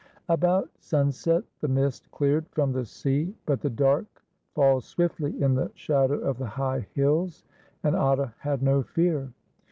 About sunset the mist cleared from the sea; but the dark falls swiftly in the shadow of the high hills, and Atta had no fear.